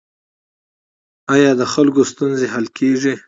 آیا د خلکو ستونزې حل کیږي؟